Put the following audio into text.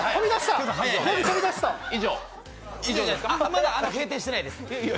まだ閉店してないです。